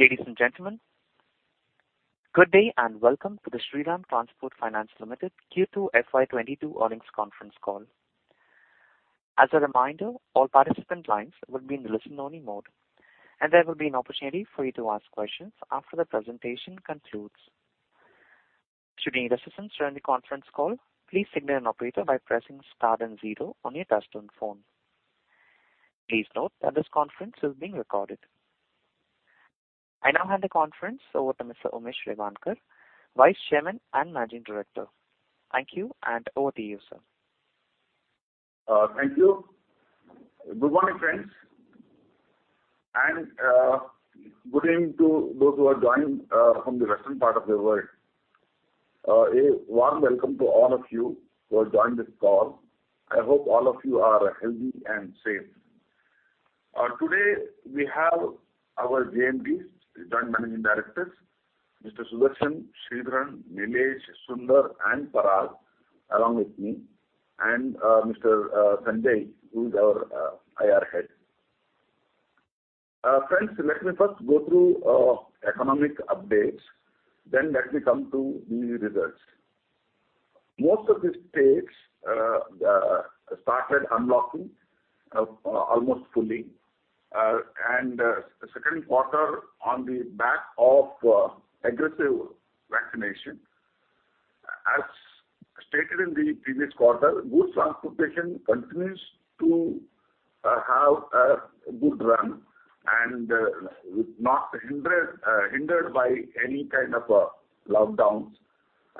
Ladies and gentlemen, good day and welcome to the Shriram Transport Finance Company Limited Q2 FY 2022 earnings conference call. As a reminder, all participant lines will be in listen-only mode, and there will be an opportunity for you to ask questions after the presentation concludes. Should you need assistance during the conference call, please signal an operator by pressing star then zero on your touchtone phone. Please note that this conference is being recorded. I now hand the conference over to Mr. Umesh Revankar, Vice Chairman and Managing Director. Thank you, and over to you, sir. Thank you. Good morning, friends. Good evening to those who have joined from the western part of the world. A warm welcome to all of you who have joined this call. I hope all of you are healthy and safe. Today we have our JMDs, Joint Managing Directors, Mr. Sudarshan, Sridharan, Nilesh, Sundar, and Parag, along with me, and Mr. Sanjay, who is our IR head. Friends, let me first go through economic updates, then let me come to the results. Most of the states started unlocking almost fully. The second quarter on the back of aggressive vaccination. As stated in the previous quarter, goods transportation continues to have a good run and not hindered by any kind of lockdowns.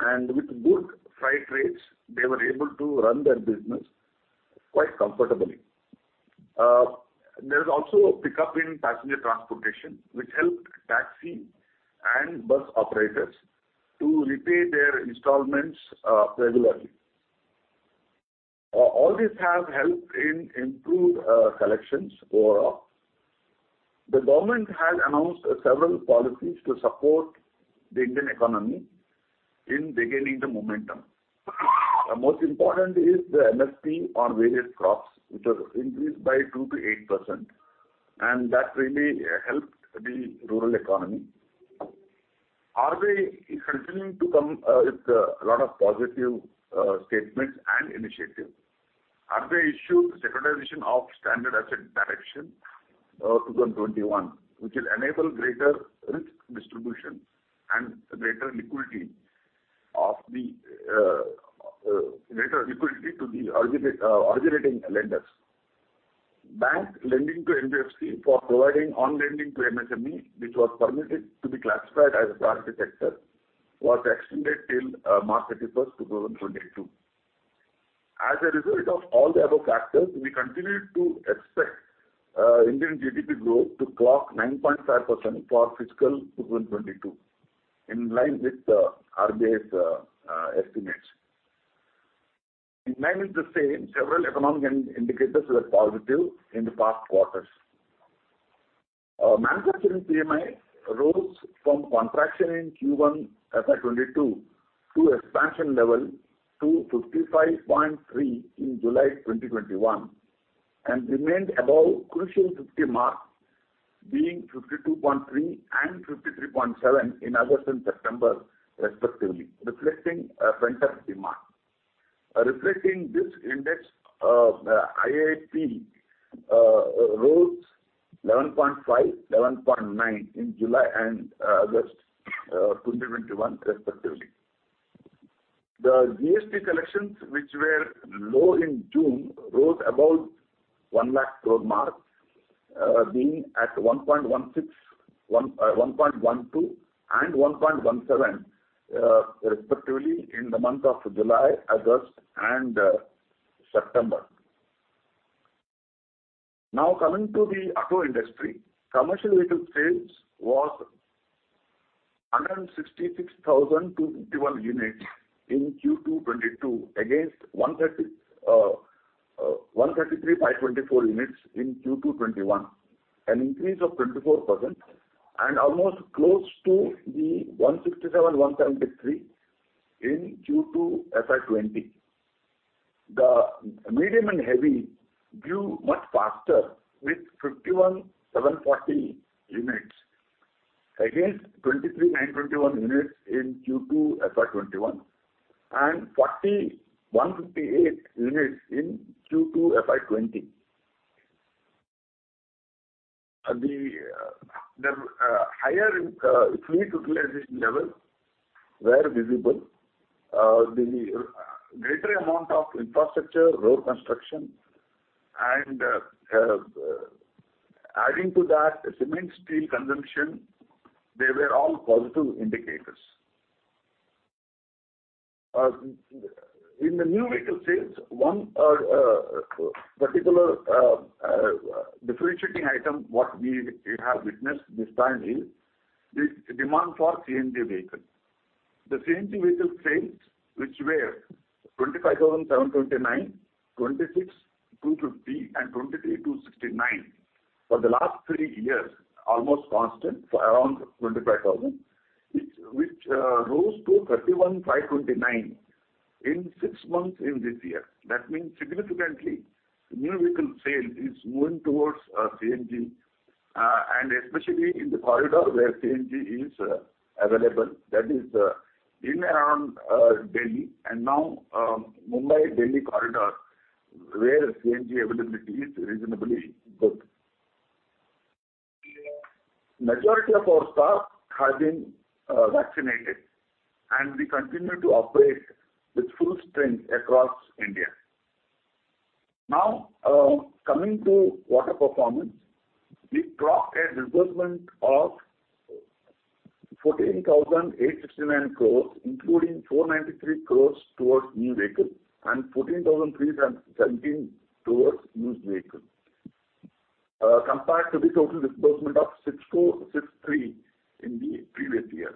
With good freight rates, they were able to run their business quite comfortably. There is also a pickup in passenger transportation, which helped taxi and bus operators to repay their installments regularly. All this has helped in improved collections overall. The government has announced several policies to support the Indian economy in regaining the momentum. Most important is the MSP on various crops, which have increased by 2%-8%, and that really helped the rural economy. RBI is continuing to come with a lot of positive statements and initiatives. RBI issued a securitization of standard asset direction, 2021, which will enable greater risk distribution and greater liquidity to the originating lenders. Bank lending to NBFC for providing on-lending to MSME, which was permitted to be classified as a priority sector, was extended till March 31st, 2022. As a result of all the above factors, we continue to expect Indian GDP growth to clock 9.5% for FY 2022, in line with RBI's estimates. In line with the same, several economic indicators were positive in the past quarters. Manufacturing PMI rose from contraction in Q1 FY 2022 to expansion level to 55.3 in July 2021, and remained above crucial 50 mark being 52.3 and 53.7 in August and September respectively, reflecting pent-up demand. Reflecting this index, IIP rose 11.5%, 11.9% in July and August 2021 respectively. The GST collections which were low in June rose above 1 lakh crore mark, being at 1.16, INR 1.1.12, and 1.17 lakh crore respectively in the month of July, August, and September. Now coming to the auto industry. Commercial vehicle sales was 166,251 units in Q2 2022 against 133,524 units in Q2 2021, an increase of 24% and almost close to the 167,173 in Q2 FY 2020. The medium and heavy grew much faster with 51,740 units against 23,921 units in Q2 FY 2021, and 41,158 units in Q2 FY 2020. The higher fleet utilization level were visible. The greater amount of infrastructure, road construction, and adding to that, cement, steel consumption, they were all positive indicators. In the new vehicle sales, one particular differentiating item, what we have witnessed this time is the demand for CNG vehicles. The CNG vehicle sales, which were 25,729, 26,250, and 23,269 for the last three years, almost constant for around 25,000, which rose to 31,529 in six months in this year. That means significantly, new vehicle sale is moving towards CNG, and especially in the corridor where CNG is available. That is in and around Delhi, and now Mumbai Delhi corridor, where CNG availability is reasonably good. Majority of our staff has been vaccinated, and we continue to operate with full strength across India. Now, coming to quarter performance, we draw a disbursement of 14,869 crore, including 493 crore towards new vehicles and 14,317 crore towards used vehicles, compared to the total disbursement of 6,463 crore in the previous year.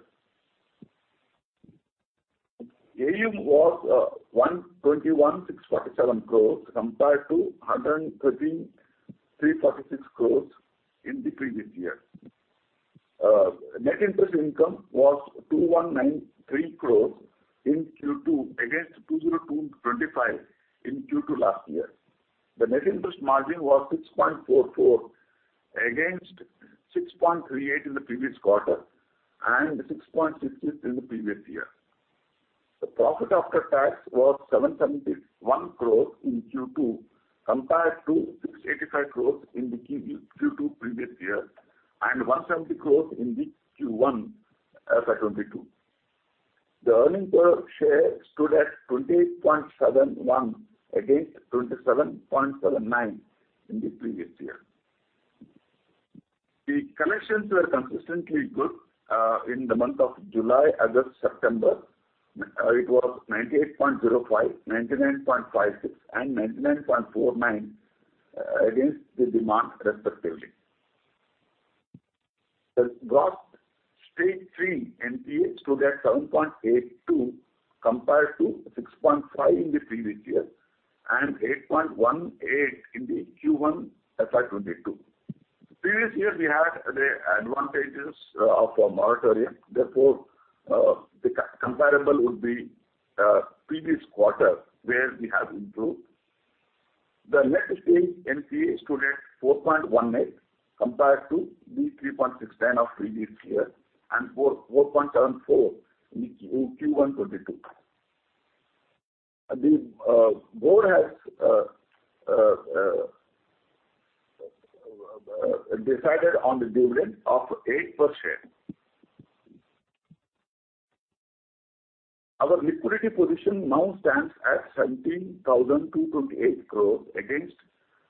AUM was 121,647 crore compared to 113,346 crore in the previous year. Net interest income was 2,193 crore in Q2 against 2,025 crore in Q2 last year. The net interest margin was 6.44% against 6.38% in the previous quarter and 6.66% in the previous year. The profit after tax was 771 crore in Q2 compared to 685 crore in the Q2 previous year and 170 crore in the Q1 FY 2022. The earnings per share stood at 28.71% against 27.79% in the previous year. The collections were consistently good in the month of July, August, September. It was 98.05%, 99.56%, and 99.49% against the demand respectively. The gross stage three NPAs stood at 7.82% compared to 6.5% in the previous year and 8.18% in the Q1 FY 2022. Previous year, we had the advantages of a moratorium, therefore the comparable would be previous quarter where we have improved. The net stage NPAs stood at 4.18% compared to the 3.61% of previous year and 4.74% in the Q1 2022. The board has decided on the dividend of eight per share. Our liquidity position now stands at 17,228 crores against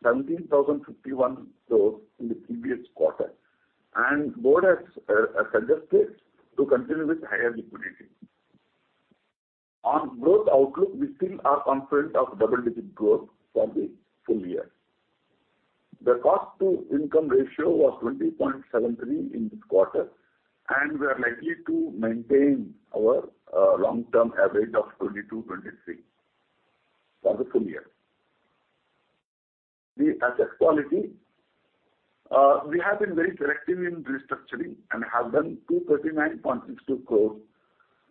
17,051 crores in the previous quarter, and board has suggested to continue with higher liquidity. On growth outlook, we still are confident of double-digit growth for the full year. The cost to income ratio was 20.73% in this quarter, and we are likely to maintain our long-term average of 22%-23% for the full year. The asset quality, we have been very selective in restructuring and have done 239.62 crores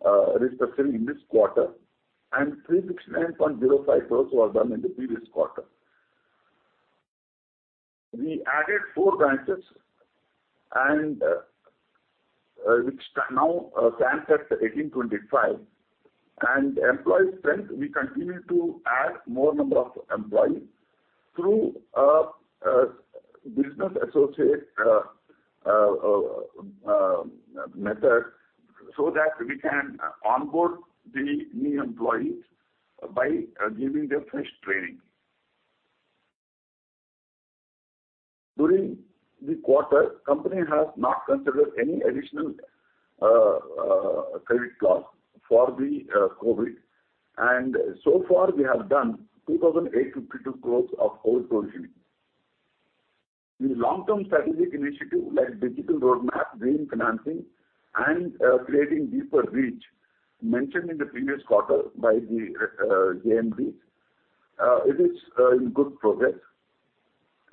restructuring in this quarter, and 369.05 crores were done in the previous quarter. We added four branches, which now stands at 1,825. Employee strength, we continue to add more number of employees through business associate method so that we can onboard the new employees by giving them fresh training. During the quarter, company has not considered any additional credit cost for the COVID, and so far, we have done 2,852 crores of whole provisioning. The long-term strategic initiative like digital roadmap, green financing, and creating deeper reach mentioned in the previous quarter by the JMD, it is in good progress,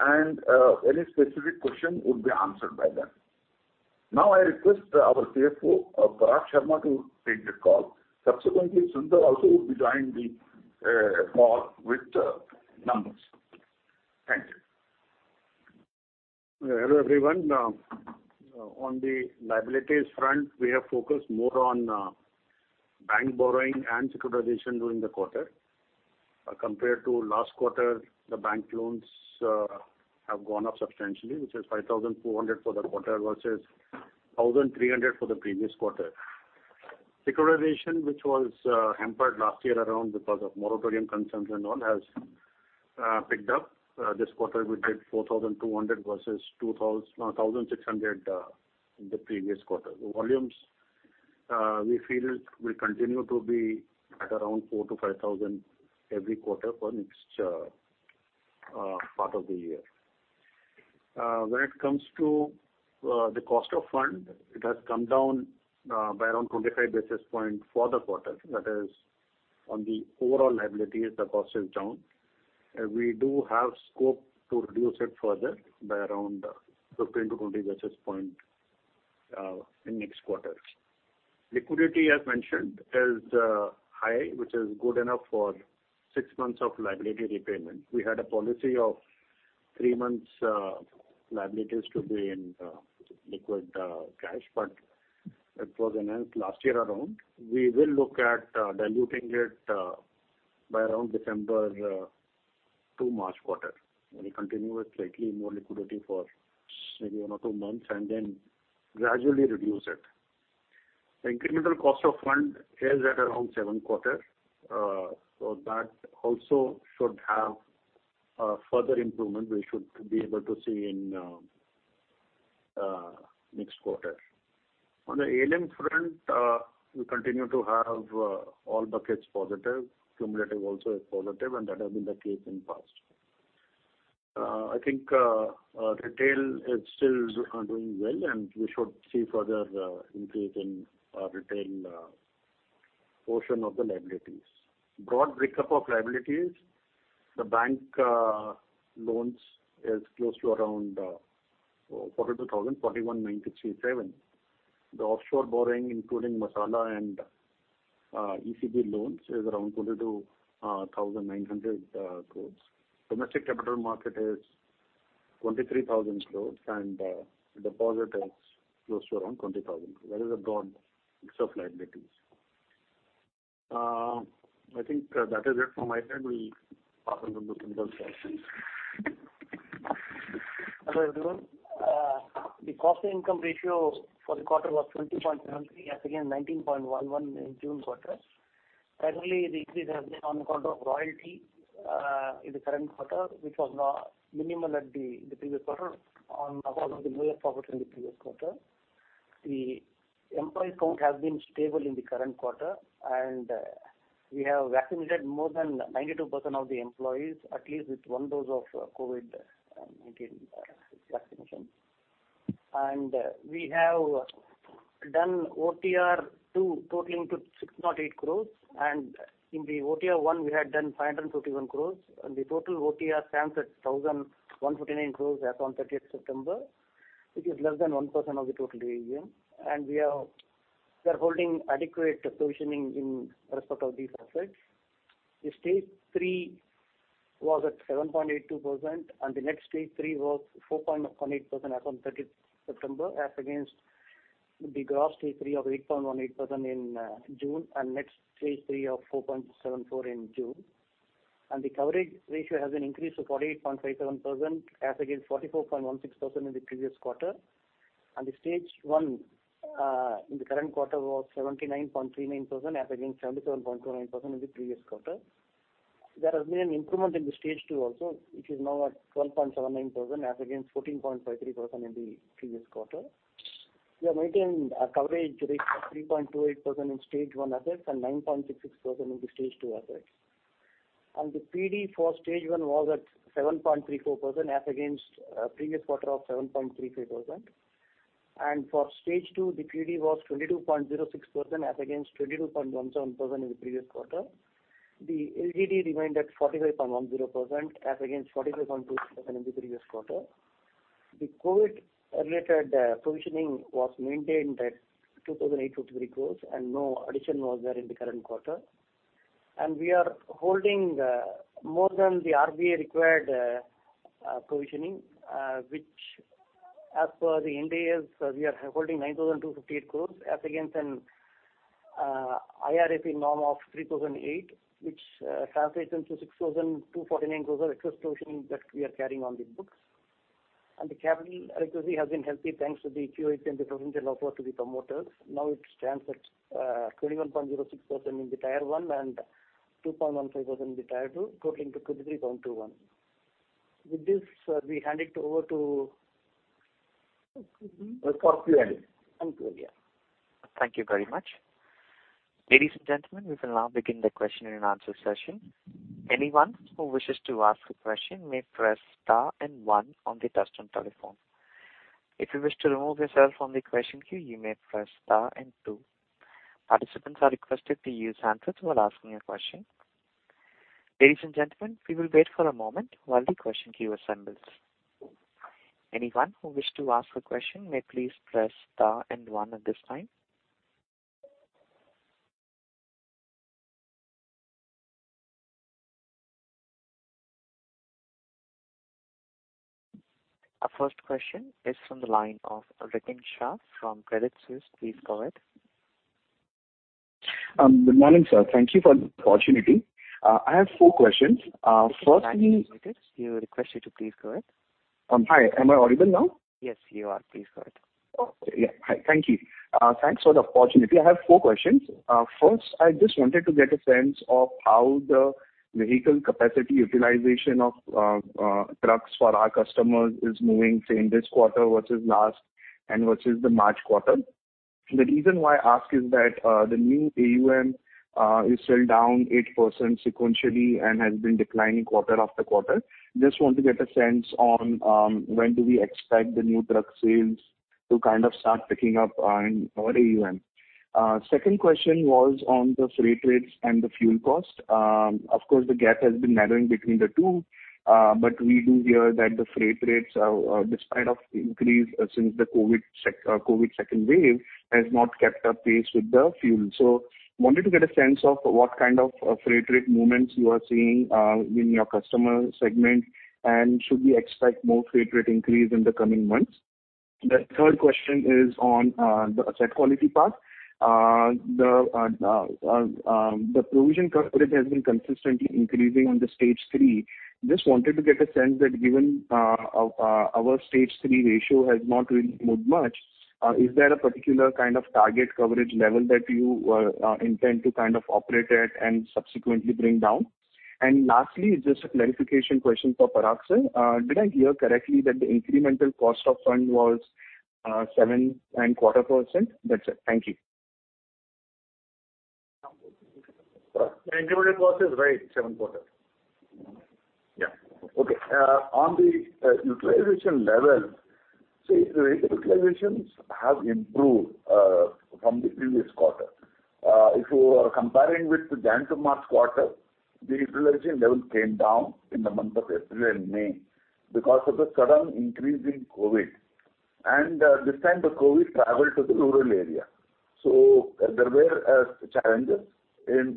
and any specific question would be answered by them. Now, I request our CFO, Parag Sharma, to take the call. Subsequently, Sundar also would be joining the call with the numbers. Thank you. Hello, everyone. On the liabilities front, we have focused more on bank borrowing and securitization during the quarter. Compared to last quarter, the bank loans have gone up substantially, which is 5,400 for the quarter versus 1,300 for the previous quarter. Securitization, which was hampered last year around because of moratorium concerns and all, has picked up. This quarter, we did 4,200 versus 2,600 in the previous quarter. The volumes, we feel it will continue to be at around 4,000-5,000 every quarter for next part of the year. When it comes to the cost of fund, it has come down by around 25 basis points for the quarter. That is on the overall liabilities, the cost is down. We do have scope to reduce it further by around 15-20 basis points in next quarter. Liquidity, as mentioned, is high, which is good enough for six months of liability repayment. We had a policy of three months liabilities to be in liquid cash, but it was enhanced last year around. We will look at diluting it by around December to March quarter. We'll continue with slightly more liquidity for maybe one or two months and then gradually reduce it. The incremental cost of funds is at around 7%, so that also should have further improvement we should be able to see in next quarter. On the ALM front, we continue to have all buckets positive. Cumulative also is positive, and that has been the case in the past. I think retail is still doing well, and we should see further increase in our retail portion of the liabilities. Broad break-up of liabilities, the bank loans is close to around 400,419.37. The offshore borrowing, including Masala and ECB loans, is around 22,900 crores. Domestic capital market is 23,000 crores and deposit is close to around 20,000. That is a broad mix of liabilities. I think that is it from my side. We pass on to Mr. S Sundar. Hello, everyone. The cost-to-income ratio for the quarter was 20.73 as against 19.11 in June quarter. Currently, the increase has been on account of royalty in the current quarter, which was minimal at the previous quarter on account of the lower profit in the previous quarter. The employee count has been stable in the current quarter, and we have vaccinated more than 92% of the employees, at least with 1 dose of COVID-19 vaccination. We have done OTR two totaling to 608 crore. In the OTR one, we had done 551 crore. The total OTR stands at 1,049 crore as on 30th September, which is less than 1% of the total AUM. We are holding adequate provisioning in respect of these assets. The stage three was at 7.82% and the net stage three was 4.18% as on 30th September as against the gross stage three of 8.18% in June and net stage three of 4.74% in June. The coverage ratio has been increased to 48.57% as against 44.16% in the previous quarter. The stage one in the current quarter was 79.39% as against 77.29% in the previous quarter. There has been an improvement in the stage two also, which is now at 12.79% as against 14.53% in the previous quarter. We are maintaining our coverage ratio of 3.28% in stage one assets and 9.66% in the stage two assets. The PD for stage one was at 7.34% as against previous quarter of 7.33%. For stage two, the PD was 22.06% as against 22.17% in the previous quarter. The LGD remained at 45.10% as against 45.26% in the previous quarter. The COVID related provisioning was maintained at 2,853 crores, and no addition was there in the current quarter. We are holding more than the RBI required provisioning, which as per the Ind AS, we are holding 9,258 crore as against an Ind AS norm of 3,008, which translates into 6,249 crore of excess provisioning that we are carrying on the books. The capital adequacy has been healthy, thanks to the QIP and the potential offer to the promoters. Now it stands at 21.06% in the Tier one and 2.15% in the Tier two, totaling to 23.21%. With this, we hand it over to- Over to you, Andy. Thank you, yeah. Thank you very much. Ladies and gentlemen, we can now begin the question and answer session. Anyone who wishes to ask a question may press star and one on the touchtone telephone. If you wish to remove yourself from the question queue, you may press star and two. Participants are requested to use handsets while asking a question. Ladies and gentlemen, we will wait for a moment while the question queue assembles. Anyone who wishes to ask a question may please press star and one at this time. Our first question is from the line of Rikin Shah from Credit Suisse. Please go ahead. Good morning, sir. Thank you for the opportunity. I have four questions. First Your line is muted. We request you to please go ahead. Hi. Am I audible now? Yes, you are. Please go ahead. Hi, thank you. Thanks for the opportunity. I have four questions. First, I just wanted to get a sense of how the vehicle capacity utilization of trucks for our customers is moving, say, in this quarter versus last and versus the March quarter. The reason why I ask is that the new AUM is still down 8% sequentially and has been declining quarter after quarter. Just want to get a sense on when do we expect the new truck sales. To kind of start picking up on our AUM. Second question was on the freight rates and the fuel cost. Of course, the gap has been narrowing between the two. We do hear that the freight rates are, despite the increase since the COVID second wave, has not kept pace with the fuel. Wanted to get a sense of what kind of freight rate movements you are seeing in your customer segment, and should we expect more freight rate increase in the coming months? The third question is on the asset quality part. The provision coverage has been consistently increasing on the stage three. Just wanted to get a sense that given our stage three ratio has not really moved much, is there a particular kind of target coverage level that you intend to kind of operate at and subsequently bring down? Lastly, just a clarification question for Parag, sir. Did I hear correctly that the incremental cost of fund was 7.25%? That's it. Thank you. Incremental cost is right, seven quarter. On the utilization level, the vehicle utilizations have improved from the previous quarter. If you are comparing with the January to March quarter, the utilization level came down in the month of April and May because of the sudden increase in COVID. This time the COVID traveled to the rural area. There were challenges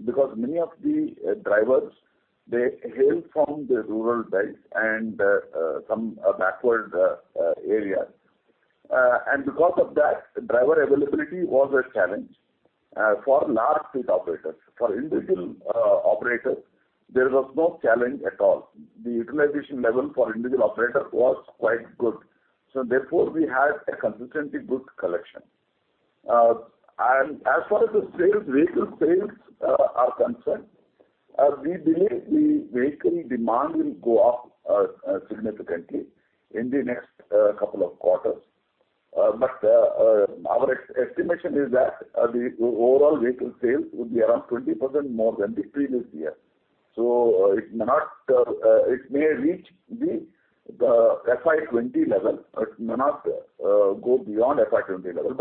because many of the drivers hail from the rural belt and some backward area. Because of that, driver availability was a challenge for large fleet operators. For individual operators, there was no challenge at all. The utilization level for individual operator was quite good, so therefore we had a consistently good collection. As far as the sales, vehicle sales, are concerned, we believe the vehicle demand will go up significantly in the next couple of quarters. Our estimation is that the overall vehicle sales would be around 20% more than the previous year. It may reach the FY 2020 level, but may not go beyond FY 2020 level.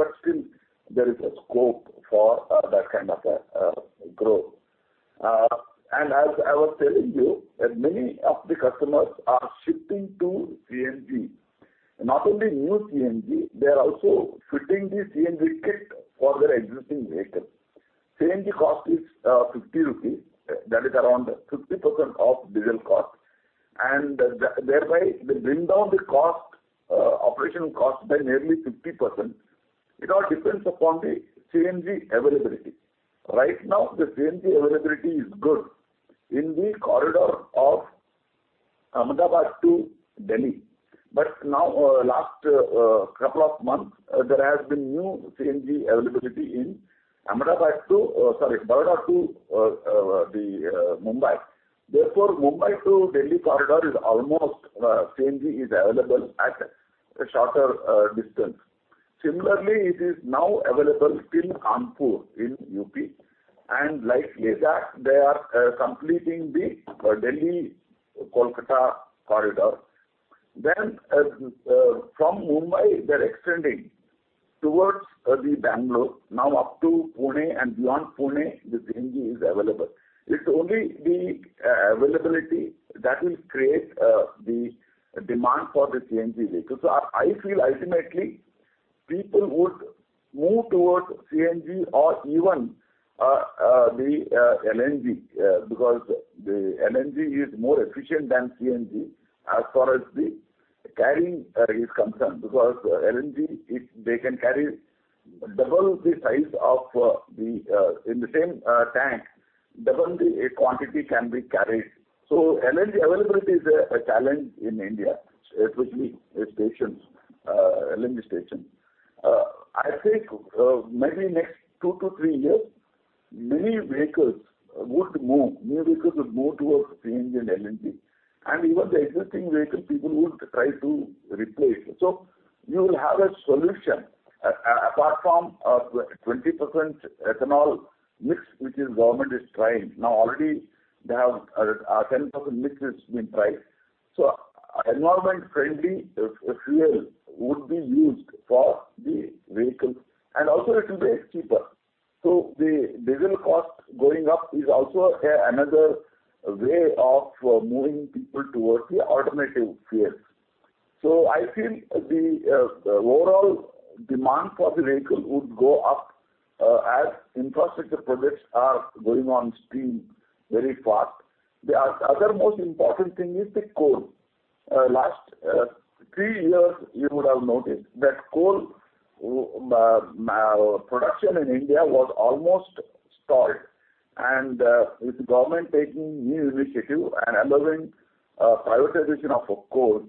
There is a scope for that kind of a growth. As I was telling you that many of the customers are shifting to CNG. Not only new CNG, they are also fitting the CNG kit for their existing vehicle. CNG cost is 50 rupees. That is around 50% of diesel cost. Thereby, they bring down the cost, operational cost by nearly 50%. It all depends upon the CNG availability. Right now, the CNG availability is good in the corridor of Ahmedabad to Delhi. Now, last couple of months, there has been new CNG availability in Vadodara to Mumbai. Therefore, Mumbai to Delhi corridor is almost CNG available at a shorter distance. Similarly, it is now available till Kanpur in UP, and likely that they are completing the Delhi-Kolkata corridor. From Mumbai, they're extending towards Bangalore. Now up to Pune and beyond Pune, the CNG is available. It's only the availability that will create the demand for the CNG vehicle. I feel ultimately people would move towards CNG or even the LNG because the LNG is more efficient than CNG as far as the carrying is concerned. Because LNG they can carry double the quantity in the same tank. LNG availability is a challenge in India, especially LNG stations. I think maybe next two to three years, many vehicles would move towards CNG and LNG. Even the existing vehicle, people would try to replace. You will have a solution apart from 20% ethanol mix, which the government is trying. Now already they have 10% mix has been tried. Environment-friendly fuel would be used for the vehicles, and also it will be cheaper. The diesel cost going up is also another way of moving people towards the alternative fuels. I feel the overall demand for the vehicle would go up as infrastructure projects are going on stream very fast. The other most important thing is the coal. Last three years you would have noticed that coal production in India was almost stalled. With government taking new initiative and allowing privatization of coal,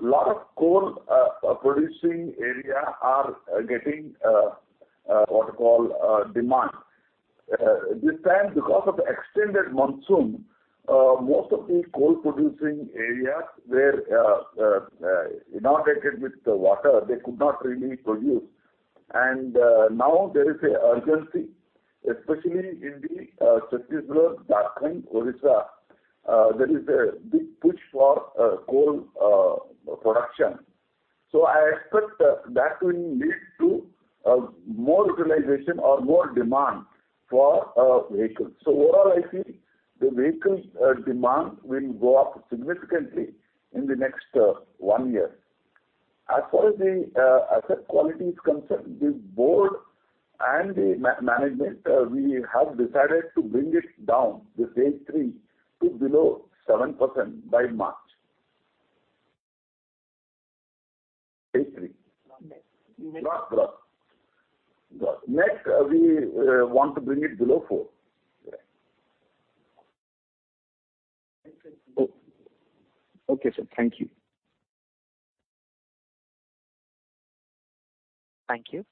lot of coal producing area are getting what you call demand. This time because of the extended monsoon, most of the coal producing areas were inundated with the water. They could not really produce. Now there is a urgency, especially in the Chhattisgarh, Jharkhand, Odisha, there is a big push for coal production. I expect that will lead to more utilization or more demand for vehicles. Overall, I see the vehicles demand will go up significantly in the next one year. As far as the asset quality is concerned, the board and the management we have decided to bring it down, the stage three, to below 7% by March. Stage three. Not net. Not gross. Gross. Net we want to bring it below 4%. Yeah. Excellent. Okay, sir. Thank you. Thank you.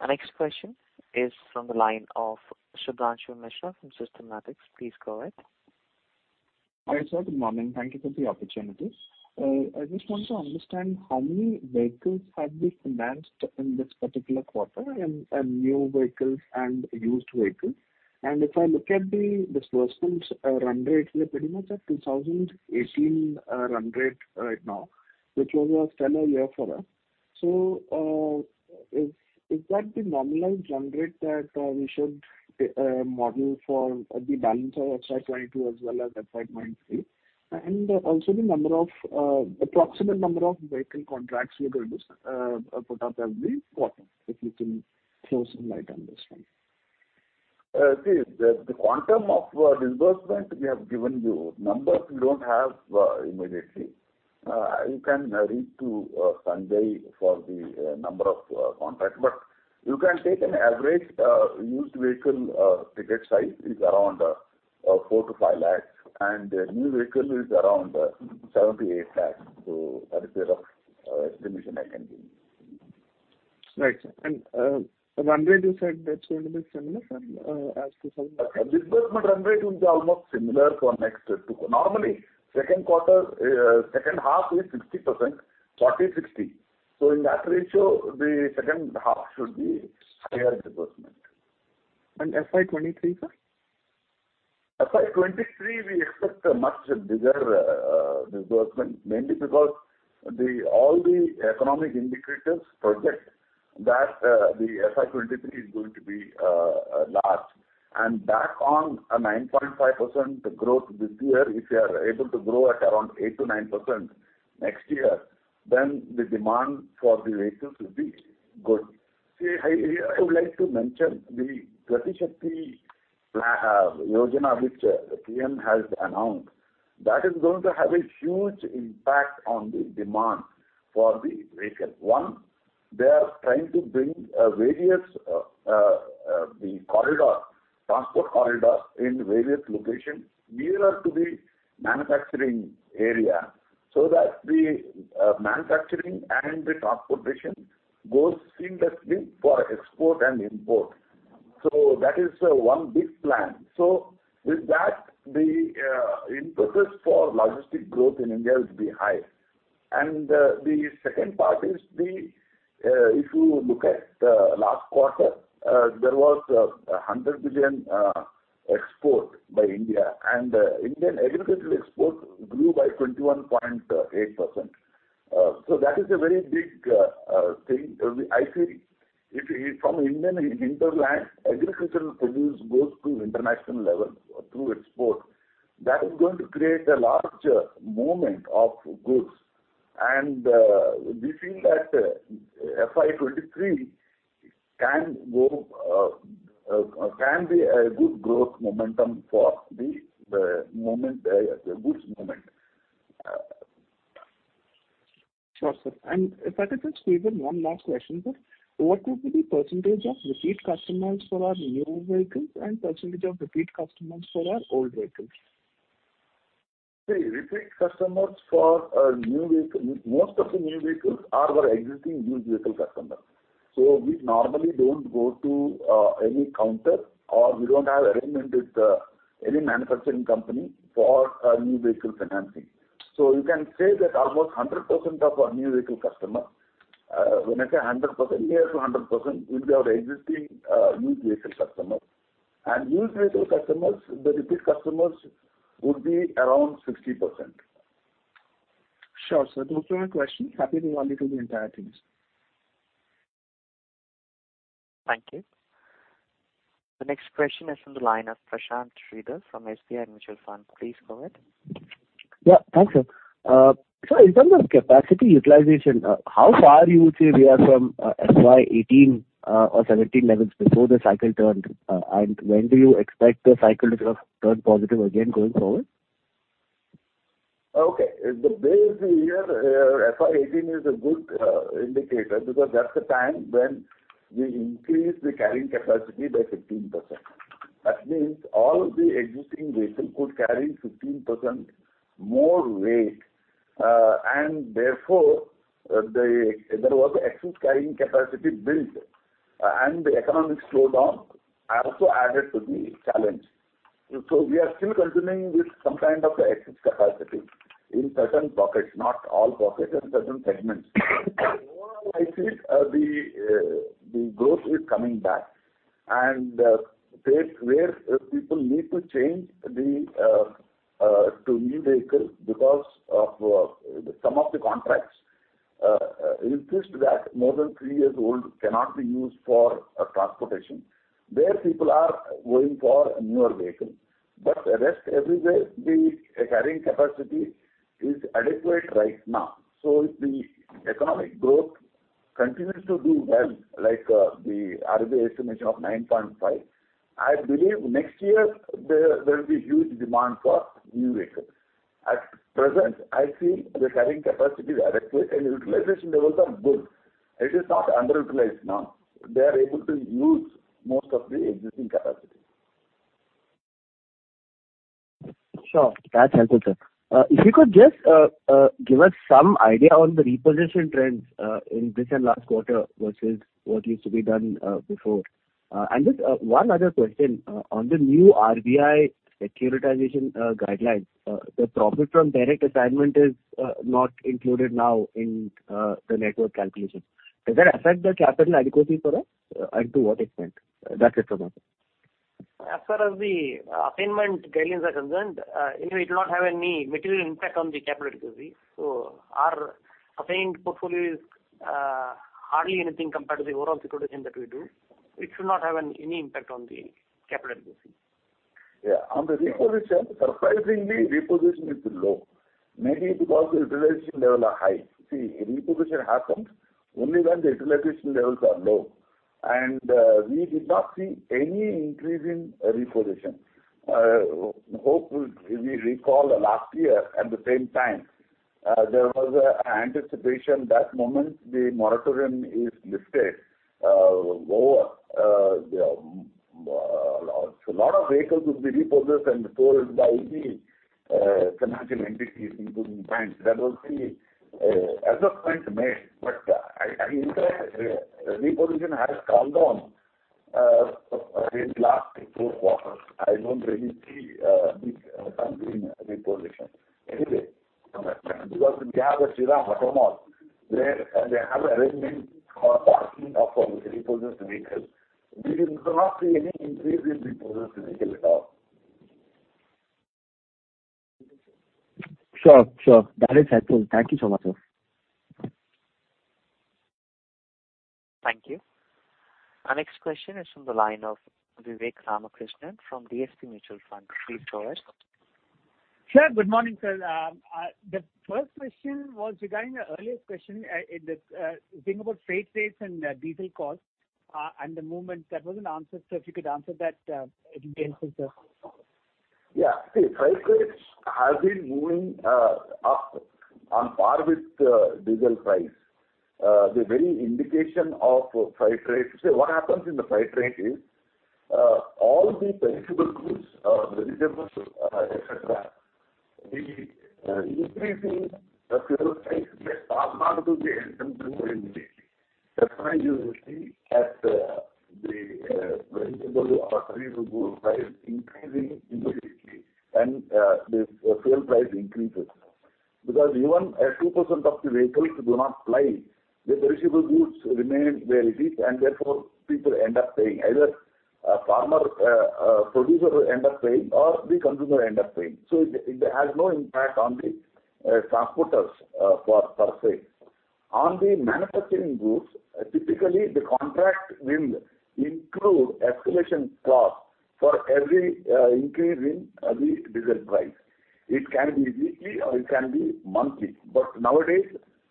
Our next question is from the line of Shubhranshu Mishra from Systematix. Please go ahead. Hi, sir. Good morning. Thank you for the opportunity. I just want to understand how many vehicles have been financed in this particular quarter, and new vehicles and used vehicles. If I look at the disbursements run rate, we are pretty much at 2018 run rate right now, which was a stellar year for us. Is that the normalized run rate that we should model for the balance of FY 2022 as well as FY 2023? Also the approximate number of vehicle contracts you're going to put up every quarter, if you can throw some light on this one. See, the quantum of disbursement we have given you. Numbers we don't have immediately. You can reach to Sanjay for the number of contracts. You can take an average used vehicle ticket size is around 4-5 lakhs, and a new vehicle is around 7-8 lakhs. That is the rough estimation I can give you. Right. Run rate you said that's going to be similar, as to some- Disbursement run rate will be almost similar for next two. Normally, second quarter, second half is 60%, 40/60. In that ratio, the second half should be higher disbursement. FY 2023, sir? FY 2023, we expect a much bigger disbursement, mainly because all the economic indicators project that the FY 2023 is going to be large. Based on a 9.5% growth this year, if we are able to grow at around 8%-9% next year, then the demand for the vehicles will be good. See, here I would like to mention the PM GatiShakti Yojana, which PM has announced, that is going to have a huge impact on the demand for the vehicle. They are trying to bring various transport corridors in various locations nearer to the manufacturing area, so that the manufacturing and the transportation goes seamlessly for export and import. That is one big plan. With that, the impetus for logistic growth in India will be high. The second part is, if you look at last quarter, there was $100 billion export by India, and Indian agricultural exports grew by 21.8%. That is a very big thing. I see it from Indian hinterland, agricultural produce goes to international level through export, that is going to create a larger movement of goods. We feel that FY 2023 can be a good growth momentum for the movement of goods. Sure, sir. If I could just squeeze in one last question, sir. What would be the percentage of repeat customers for our new vehicles and percentage of repeat customers for our old vehicles? See, repeat customers for a new vehicle, most of the new vehicles are our existing used vehicle customers. We normally don't go to any counter or we don't have arrangement with any manufacturing company for a new vehicle financing. You can say that almost 100% of our new vehicle customer, when I say a 100%, near to 100% will be our existing used vehicle customers. Used vehicle customers, the repeat customers would be around 60%. Sure, sir. Those were my questions. Happy to validate with the entire team, sir. Thank you. The next question is from the line of Prashant Jain from HDFC Mutual Fund. Please go ahead. Yeah, thanks, sir. In terms of capacity utilization, how far would you say we are from FY 2018 or FY 2017 levels before the cycle turned? When do you expect the cycle to turn positive again going forward? Okay. The base year, FY 2018 is a good indicator because that's the time when we increased the carrying capacity by 15%. That means all the existing vehicle could carry 15% more weight, and therefore, there was excess carrying capacity built. The economic slowdown also added to the challenge. We are still continuing with some kind of excess capacity in certain pockets, not all pockets, in certain segments. Overall, I think the growth is coming back and places where people need to change to new vehicles because of some of the contracts insist that more than three years old cannot be used for transportation. There people are going for newer vehicles, but the rest everywhere, the carrying capacity is adequate right now. If the economic growth continues to do well, like, the RBI estimation of 9.5%, I believe next year there will be huge demand for new vehicles. At present, I feel the carrying capacity is adequate and utilization levels are good. It is not underutilized now. They are able to use most of the existing capacity. Sure. That's helpful, sir. If you could just give us some idea on the repossession trends in this and last quarter versus what used to be done before. Just one other question on the new RBI securitization guidelines, the profit from direct assignment is not included now in the net worth calculations. Does that affect the capital adequacy for us and to what extent? That's it from my side. As far as the assignment guidelines are concerned, anyway it will not have any material impact on the capital adequacy. Our assigned portfolio is hardly anything compared to the overall securitization that we do. It should not have any impact on the capital adequacy. Yeah. On the repossession, surprisingly, repossession is low. Maybe it's because the utilization level are high. See, repossession happens only when the utilization levels are low. We did not see any increase in repossession. If you recall last year at the same time, there was a anticipation that moment the moratorium is lifted, more, so lot of vehicles would be repossessed and sold by the financial entities, including banks. That was the assumption made. I'm surprised repossession has calmed down in the last four quarters. I don't really see something in repossession anyway from that time. Because we have a Shriram Automall, where they have arrangement for parking of repossessed vehicles. We did not see any increase in repossessed vehicles at all. Sure. That is helpful. Thank you so much, sir. Thank you. Our next question is from the line of Vivek Ramakrishnan from DSP Mutual Fund. Please go ahead. Sir, good morning, sir. The first question was regarding the earlier question in the thing about freight rates and diesel costs and the movement. There was an answer, so if you could answer that, it would be helpful, sir. Yeah. See, freight rates have been moving up on par with diesel price. The very indication of freight rates. What happens in the freight rate is all the perishable goods, vegetables, et cetera, the increasing fuel price gets passed on to the end consumer immediately. That's why you will see the vegetable or fruits price increasing immediately and the fuel price increases. Because even 2% of the vehicles do not ply, the perishable goods remain where it is, and therefore people end up paying. Either a farmer producer end up paying or the consumer end up paying. It has no impact on the transporters per se. On the manufacturing goods, typically the contract will include escalation clause for every increase in the diesel price. It can be weekly or it can be monthly. Nowadays,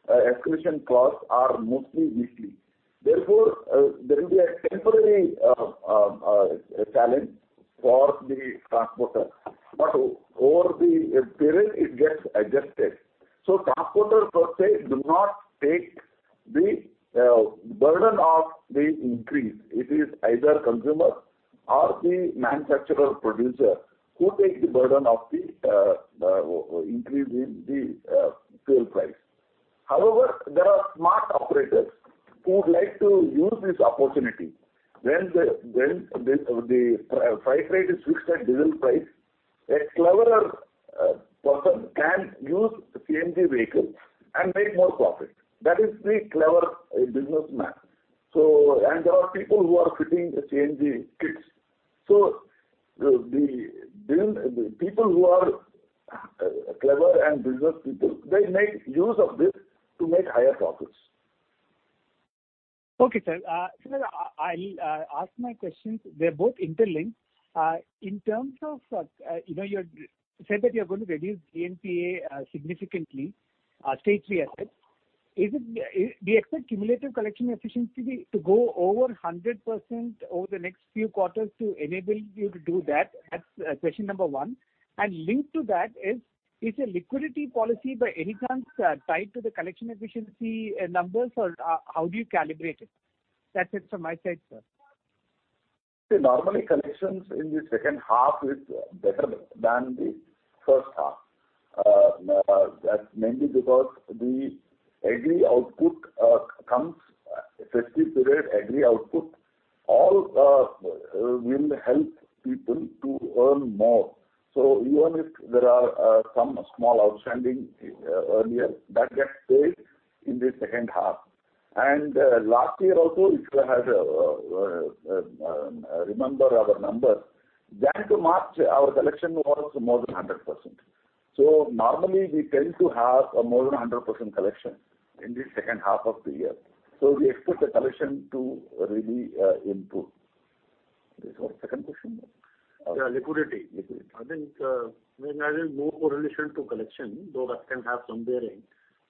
escalation clause are mostly weekly. Therefore, there will be a temporary challenge for the transporter. Over the period, it gets adjusted. Transporters per se do not take the burden of the increase. It is either consumer or the manufacturer producer who take the burden of the increase in the fuel price. However, there are smart operators who would like to use this opportunity. When the freight rate is fixed at diesel price, a clever person can use CNG vehicles and make more profit. That is the clever businessman. There are people who are fitting the CNG kits. The people who are clever and business people, they make use of this to make higher profits. Okay, sir. I'll ask my questions. They're both interlinked. In terms of, you know, you said that you're going to reduce GNPA significantly, stage three assets. Do you expect cumulative collection efficiency to go over 100% over the next few quarters to enable you to do that? That's question number one. Linked to that is a liquidity policy by any chance tied to the collection efficiency numbers, or, how do you calibrate it? That's it from my side, sir. See, normally collections in the second half is better than the first half. That's mainly because the agri output comes in the festive period. Agri output also will help people to earn more. Even if there are some small outstanding earlier that gets paid in the second half. Last year also if you remember our numbers, January to March our collection was more than 100%. Normally we tend to have more than 100% collection in the second half of the year. We expect the collection to really improve. Is there a second question? Yeah, liquidity. Liquidity. I think more correlation to collection, though that can have some bearing,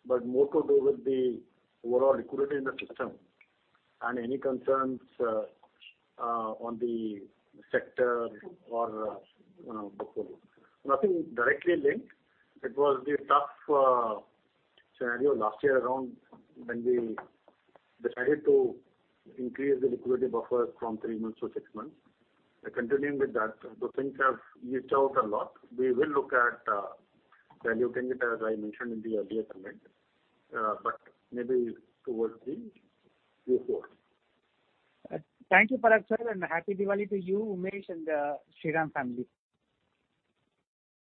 but more to do with the overall liquidity in the system and any concerns on the sector or, you know, portfolio. Nothing directly linked. It was the tough scenario last year around when we decided to increase the liquidity buffer from three months to six months. Continuing with that, the things have eased out a lot. We will look at evaluating it, as I mentioned in the earlier comment, but maybe towards the Q4. Thank you, Parag, sir, and Happy Diwali to you, Umesh, and Shriram family.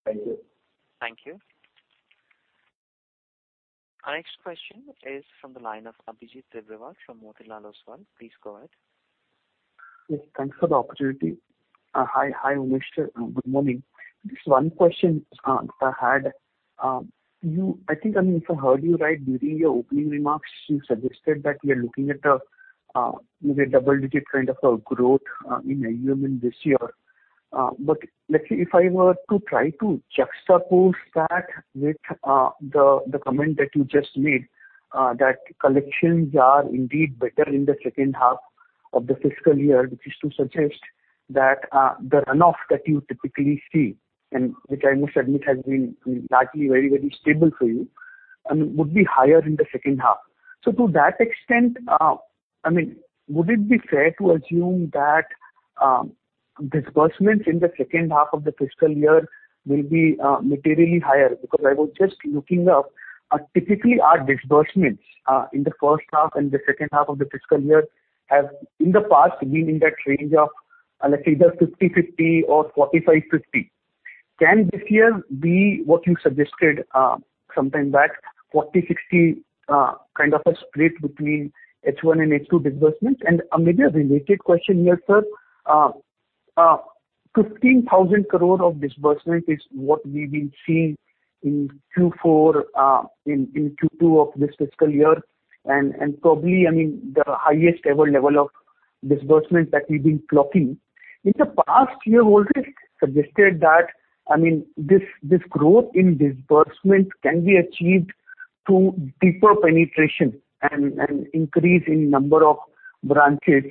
Thank you. Thank you. Our next question is from the line of Abhijit Tibrewal from Motilal Oswal. Please go ahead. Yes, thanks for the opportunity. Hi Umesh, good morning. Just one question I had. You, I think, I mean, if I heard you right during your opening remarks, you suggested that we are looking at a maybe a double-digit kind of a growth in AUM in this year. Let's say if I were to try to juxtapose that with the comment that you just made that collections are indeed better in the second half of the fiscal year, which is to suggest that the runoff that you typically see and which I must admit has been largely very stable for you and would be higher in the second half. To that extent, I mean would it be fair to assume that, disbursements in the second half of the fiscal year will be materially higher? Because I was just looking up, typically our disbursements in the first half and the second half of the fiscal year have in the past been in that range of let's say either 50/50 or 45/50. Can this year be what you suggested sometime back, 40/60 kind of a split between H1 and H2 disbursements? And maybe a related question here, sir. 15,000 crore of disbursement is what we've been seeing in Q2 of this fiscal year and probably, I mean, the highest ever level of disbursement that we've been clocking. In the past you have already suggested that, I mean, this growth in disbursement can be achieved through deeper penetration and increase in number of branches.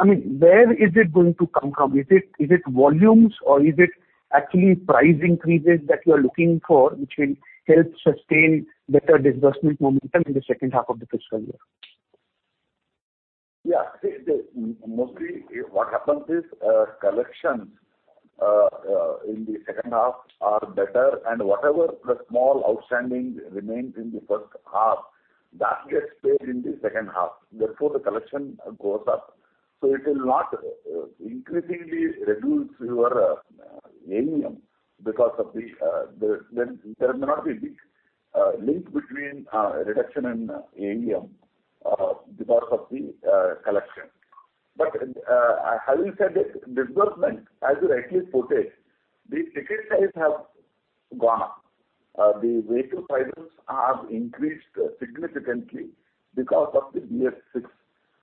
I mean, where is it going to come from? Is it volumes or is it actually price increases that you are looking for which will help sustain better disbursement momentum in the second half of the fiscal year? Yeah. See, mostly what happens is, collections in the second half are better and whatever the small outstanding remains in the first half that gets paid in the second half, therefore the collection goes up. It will not increasingly reduce your AUM because of the collection. There may not be the link between reduction in AUM because of the collection. How you said it, disbursement, as you rightly quoted, the ticket size have gone up. The vehicle prices have increased significantly because of the BS6.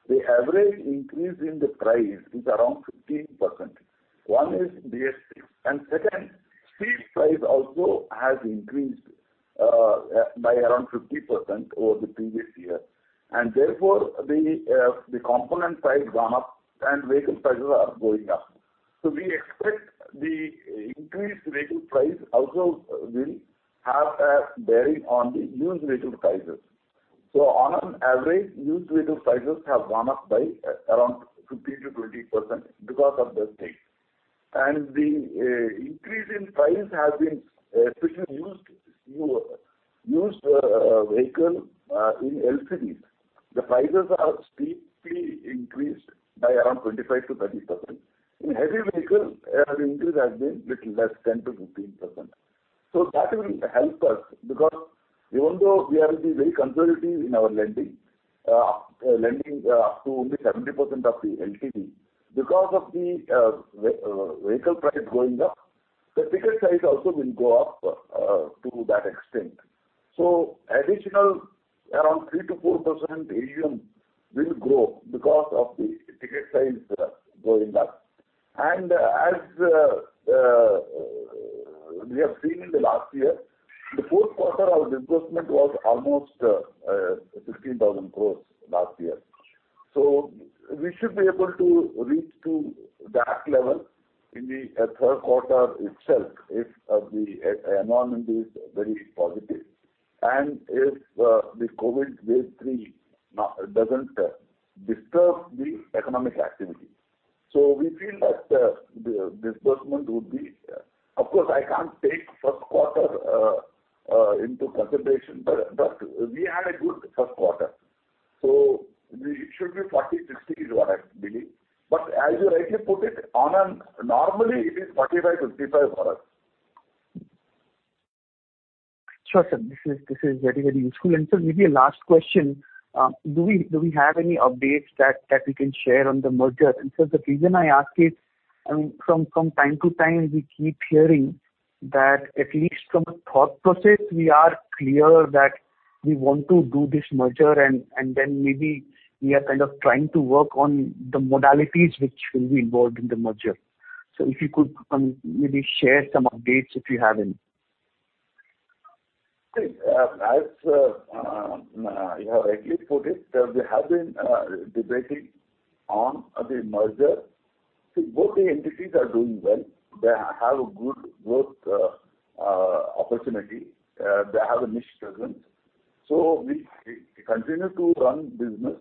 The average increase in the price is around 15%. One is BS6 and second, steel price also has increased by around 50% over the previous year and therefore the component price gone up and vehicle prices are going up. We expect the increased vehicle price also will have a bearing on the used vehicle prices. On average used vehicle prices have gone up by around 15%-20% because of this thing. The increase in price has been especially in used vehicles in LCVs. The prices are steeply increased by around 25%-30%. In heavy vehicles, increase has been little less, 10%-15%. That will help us because even though we are being very conservative in our lending up to only 70% of the LTV because of the vehicle price going up the ticket size also will go up to that extent. Additional around 3%-4% AUM will grow because of the ticket size going up. As we have seen in the last year, the fourth quarter our disbursement was almost 15,000 crore last year. We should be able to reach to that level in the third quarter itself if the environment is very positive. If the COVID wave 3 doesn't disturb the economic activity. We feel that the disbursement would be. Of course, I can't take first quarter into consideration, but we had a good first quarter. It should be 40/60 is what I believe. As you rightly put it, on a normally it is 45/55 for us. Sure, sir. This is very useful. Sir, maybe a last question. Do we have any updates that you can share on the merger? Sir, the reason I ask is, from time to time, we keep hearing that at least from a thought process, we are clear that we want to do this merger and then maybe we are kind of trying to work on the modalities which will be involved in the merger. If you could maybe share some updates if you have any. Okay. As you have rightly put it, that we have been debating on the merger. See, both the entities are doing well. They have a good growth opportunity. They have a niche presence. We continue to run business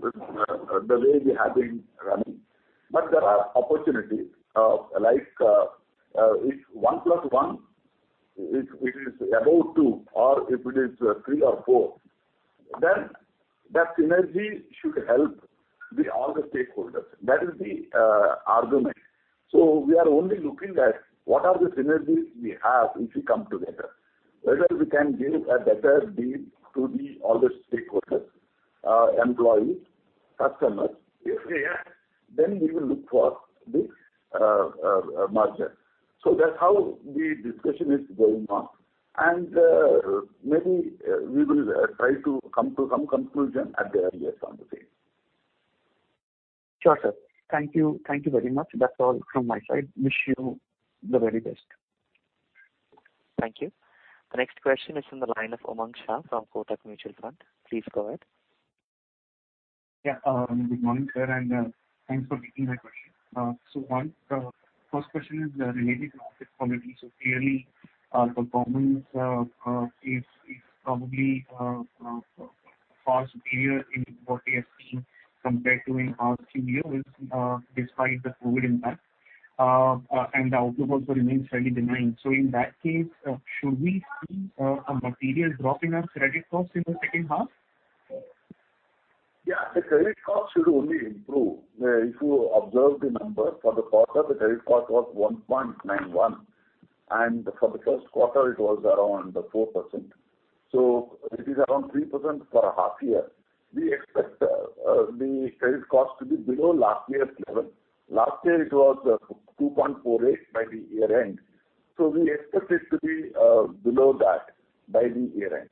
the way we have been running. There are opportunities, like, if one plus one, if it is above two or if it is three or four, then that synergy should help all the stakeholders. That is the argument. We are only looking at what are the synergies we have if we come together, whether we can give a better deal to all the stakeholders, employees, customers. If we have, then we will look for the merger. That's how the discussion is going on. Maybe we will try to come to some conclusion at the earliest on the same. Sure, sir. Thank you. Thank you very much. That's all from my side. Wish you the very best. Thank you. The next question is from the line of Umang Shah from Kotak Mutual Fund. Please go ahead. Good morning, sir, and thanks for taking my question. My first question is related to asset quality. Clearly, performance is probably far superior to what we have seen in the last few years, despite the COVID impact. The outlook also remains fairly benign. In that case, should we see a material drop in our credit costs in the second half? Yeah. The credit cost should only improve. If you observe the number for the quarter, the credit cost was 1.91, and for the first quarter, it was around 4%. It is around 3% for a half year. We expect the credit cost to be below last year's level. Last year it was 2.48 by the year-end, so we expect it to be below that by the year-end.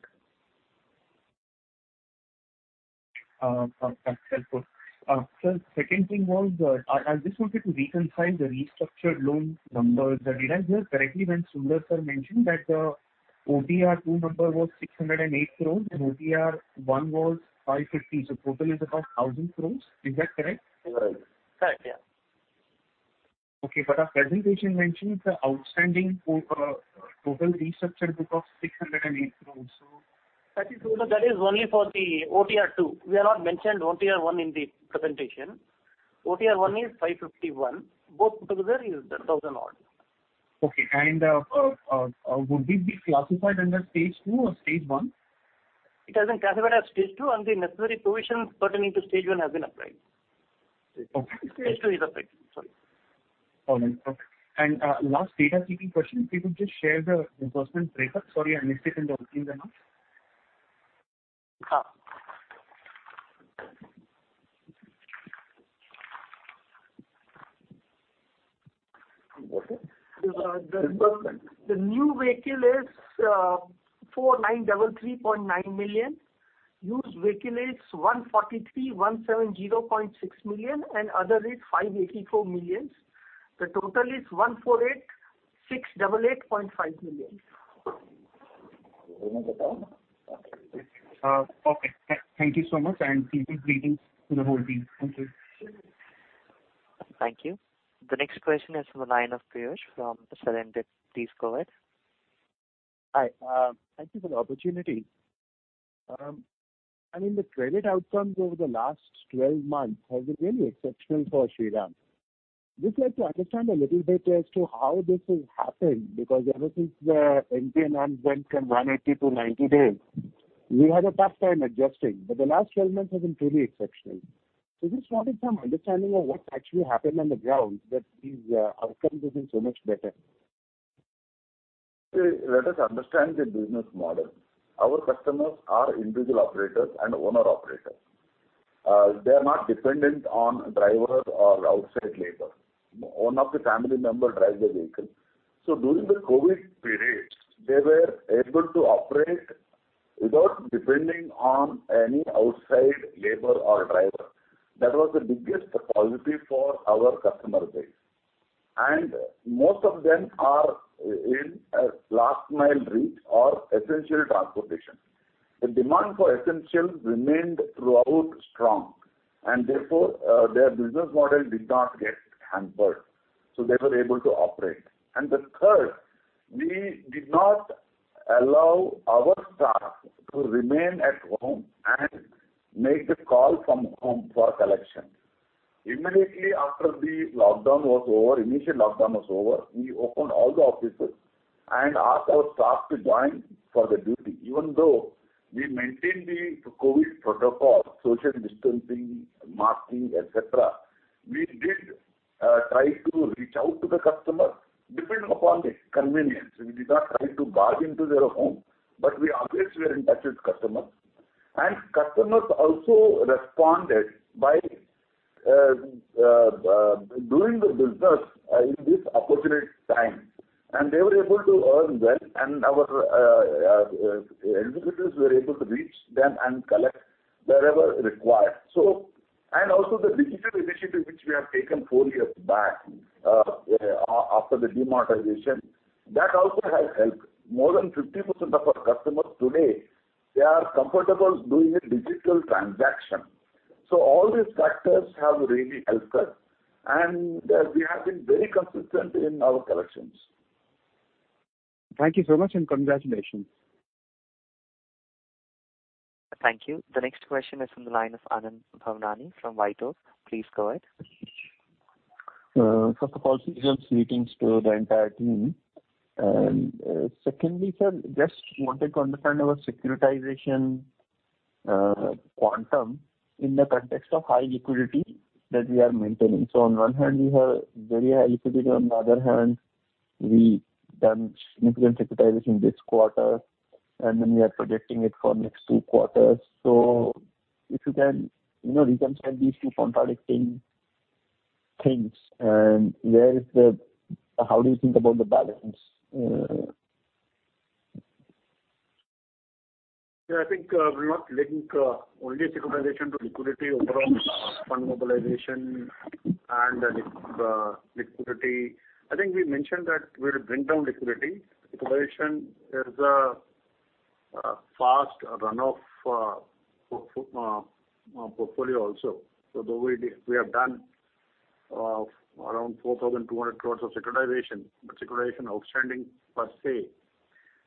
That's helpful. Sir, second thing was, I just wanted to reconcile the restructured loan numbers. Did I hear correctly when Sundar sir mentioned that OTR two number was 608 crores and OTR one was 550 crores, so total is about 1,000 crores. Is that correct? Correct. Correct, yeah. Okay. Our presentation mentioned the outstanding for total restructured book of 608 crores. That is only for the OTR two. We have not mentioned OTR one in the presentation. OTR one is 551. Both together is the 1,000 odd. Okay. Would this be classified under stage two or stage one? It has been categorized as stage two, and the necessary provisions pertaining to stage one has been applied. Okay. Stage two is applied. Sorry. All right. Okay, last housekeeping question. Could you just share the disbursement breakup? Sorry, I missed it in the earnings announcement. Sure. Disbursement. The new vehicle is 4,933.9 million. Used vehicle is 143,170.6 million, and other is 584 million. The total is 148,688.5 million. Okay. Thank you so much, and greetings to the whole team. Thank you. Thank you. The next question is from the line of Priyesh from. Please go ahead. Hi. Thank you for the opportunity. I mean, the credit outcomes over the last 12 months has been really exceptional for Shriram. Just like to understand a little bit as to how this has happened, because ever since the NPA norms went from 180 to 90 days, we had a tough time adjusting. The last 12 months have been truly exceptional. Just wanted some understanding of what actually happened on the ground that these outcomes have been so much better. Let us understand the business model. Our customers are individual operators and owner-operators. They are not dependent on drivers or outside labor. One of the family member drive the vehicle. During the COVID period, they were able to operate without depending on any outside labor or driver. That was the biggest positive for our customer base. Most of them are in a last mile reach or essential transportation. The demand for essentials remained throughout strong, and therefore, their business model did not get hampered, so they were able to operate. The third, we did not allow our staff to remain at home and make the call from home for collection. Immediately after the lockdown was over, we opened all the offices and asked our staff to join for the duty. Even though we maintained the COVID protocol, social distancing, masking, etc, we did try to reach out to the customer depending upon the convenience. We did not try to barge into their home, but we always were in touch with customers. Customers also responded by doing the business in this opportune time, and they were able to earn well, and our executives were able to reach them and collect wherever required. Also, the digital initiative which we have taken four years back, after the demonetization, that also has helped. More than 50% of our customers today, they are comfortable doing a digital transaction. All these factors have really helped us, and we have been very consistent in our collections. Thank you so much, and congratulations. Thank you. The next question is from the line of Anand Bhavnani from White Oak. Please go ahead. First of all, seasonal greetings to the entire team. Secondly, sir, just wanted to understand about securitization quantum in the context of high liquidity that we are maintaining. On one hand, we have very high liquidity, on the other hand, we've done significant securitization this quarter, and then we are projecting it for next two quarters. If you can, you know, reconcile these two contradicting things, and where is the balance? How do you think about the balance? Yeah, I think we're not linking only securitization to liquidity overall, fund mobilization and liquidity. I think we mentioned that we'll bring down liquidity. Securitization is a fast run-off of portfolio also. Though we have done around 4,200 crores of securitization, but securitization outstanding per se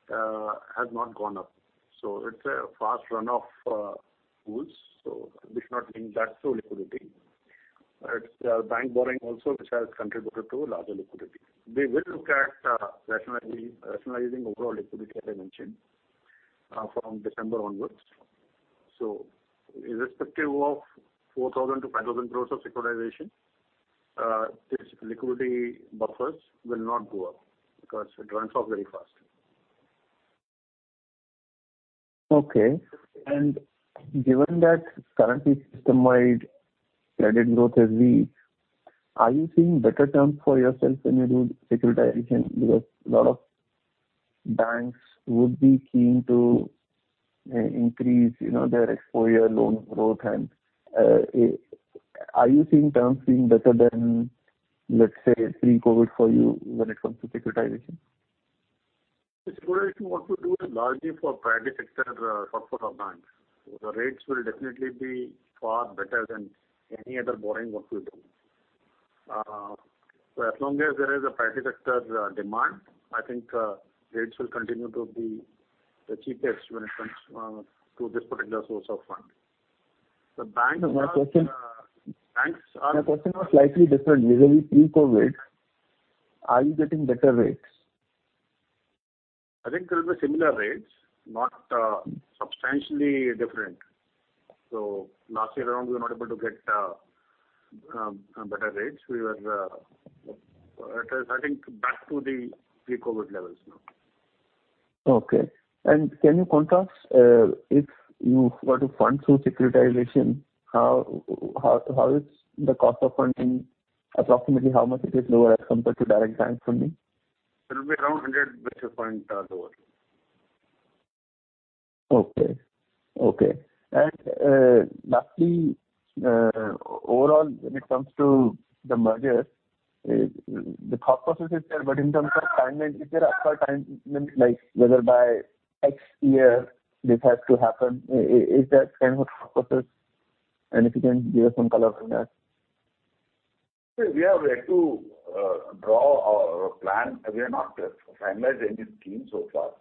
has not gone up. It's a fast run-off of book, so we should not link that to liquidity. It's bank borrowing also which has contributed to larger liquidity. We will look at rationalizing overall liquidity, as I mentioned, from December onwards. Irrespective of 4,000-5,000 crores of securitization, this liquidity buffers will not go up because it runs off very fast. Okay. Given that currently system-wide credit growth has been, are you seeing better terms for yourself when you do securitization? Because a lot of banks would be keen to increase, you know, their exposure, loan growth and are you seeing terms being better than, let's say, pre-COVID for you when it comes to securitization? Securitization, what we do is largely for private sector portfolios of banks. The rates will definitely be far better than any other borrowing we do. As long as there is a private sector demand, I think rates will continue to be the cheapest when it comes to this particular source of fund. The banks are- My question- Banks are. My question was slightly different. Usually pre-COVID, are you getting better rates? I think there is a similar rates, not substantially different. Last year around, we were not able to get better rates. It is, I think, back to the pre-COVID levels now. Can you contrast if you were to fund through securitization, how is the cost of funding, approximately how much it is lower as compared to direct bank funding? It'll be around 100 basis points lower. Okay, lastly, overall, when it comes to the merger, the thought process is there, but in terms of timeline, is there a hard timeline, like whether by X year this has to happen? Is there kind of a thought process? If you can give us some color on that. We are yet to draw our plan. We have not finalized any scheme so far.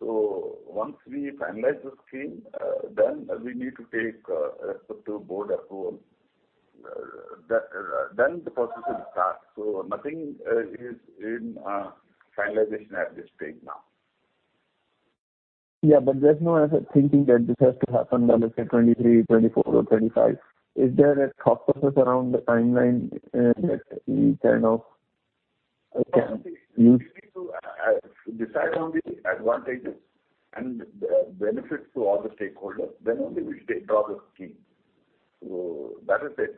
Once we finalize the scheme, then we need to take respective board approval. The process will start. Nothing is in finalization at this stage now. Yeah. There's no such thinking that this has to happen by, let's say, 2023, 2024 or 2025. Is there a thought process around the timeline, that we kind of can use? We need to decide on the advantages and the benefits to all the stakeholders, then only we'll start to draw the scheme. That is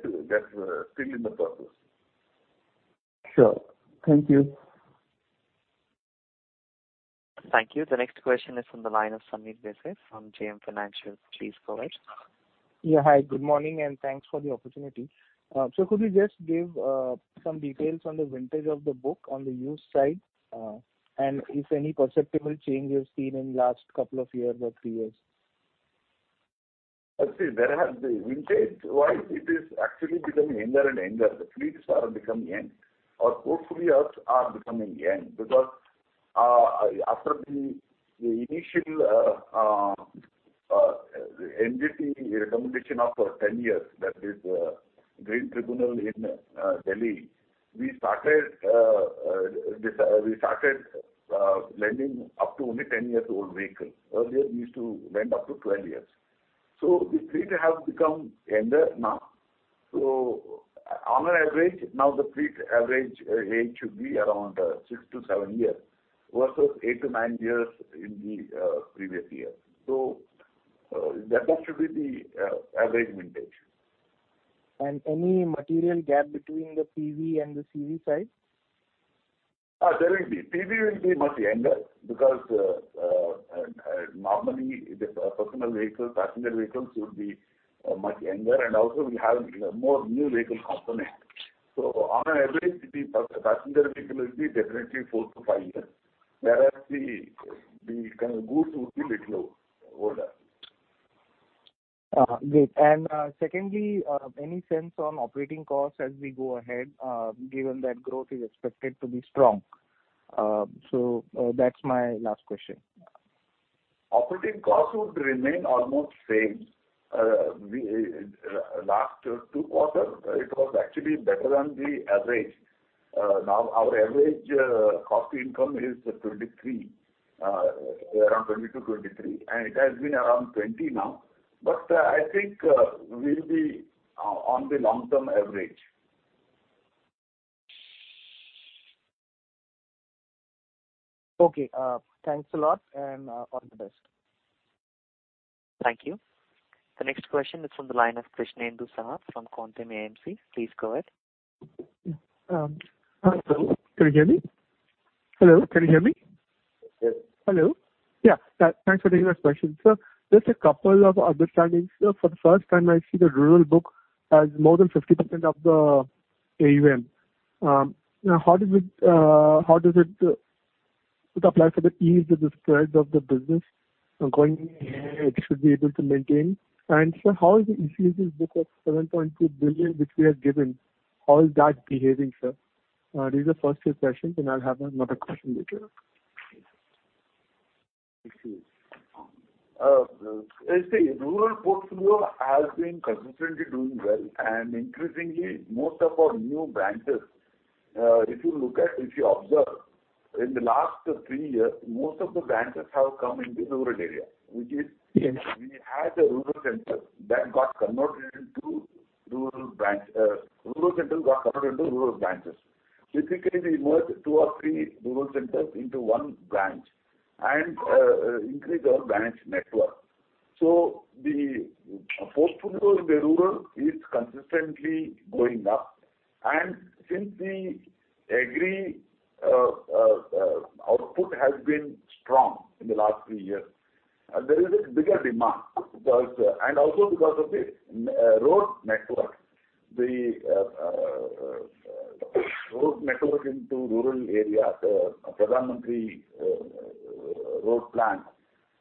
still in the process. Sure. Thank you. Thank you. The next question is from the line of Sameer Desai from JM Financial. Please go ahead. Yeah. Hi, good morning, and thanks for the opportunity. Could you just give some details on the vintage of the book on the used side, and if any perceptible change you've seen in the last couple of years or three years? I see. There has been, vintage-wise, it is actually becoming younger and younger. The fleets are becoming young. Our portfolios are becoming young because after the initial NGT recommendation of 10 years, that is, National Green Tribunal in Delhi, we started lending up to only 10 years old vehicle. Earlier we used to lend up to 12 years. The fleet have become younger now. On an average, now the fleet average age should be around six to seven years versus eight to nine years in the previous year. That should be the average vintage. Any material gap between the PV and the CV side? There will be. PV will be much younger because normally the personal vehicle, passenger vehicles will be much younger and also will have more new vehicle component. So on an average, the passenger vehicle will be definitely four to five years. Whereas the kind of goods would be little older. Great. Secondly, any sense on operating costs as we go ahead, given that growth is expected to be strong? That's my last question. Operating costs would remain almost same. In the last two quarters it was actually better than the average. Now our average cost income is 23%, around 20%-23%, and it has been around 20% now. I think we'll be on the long-term average. Okay. Thanks a lot and all the best. Thank you. The next question is from the line of Krishnendu Saha from Quantum AMC. Please go ahead. Hello. Can you hear me? Hello, can you hear me? Yes. Hello. Yeah, thanks for taking my question. Sir, just a couple of understandings. For the first time I see the rural book has more than 50% of the AUM. How does it apply for the ease of the spreads of the business going forward? It should be able to maintain. Sir, how is the UCDs book of 7.2 billion which we have given, how is that behaving, sir? These are the first few questions, and I'll have another question later. Rural portfolio has been consistently doing well and increasingly most of our new branches, if you observe in the last three years, most of the branches have come in the rural area, which is. Yes. We had the rural centers that got converted into rural branch. Rural centers got converted into rural branches. Basically, we merged two or three rural centers into one branch and increased our branch network. The portfolio in the rural is consistently going up. Since the agri output has been strong in the last three years, there is a bigger demand because and also because of the road network into rural area, the Pradhan Mantri Road plan,